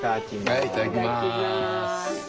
はいいただきます。